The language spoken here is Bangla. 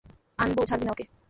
আনবু, ছাড়বি না ওকে।